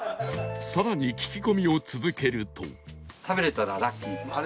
更に聞き込みを続けると